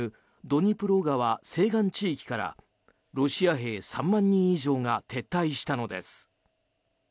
ドニプロ川西岸地域からロシア兵３万人以上が撤退したのです。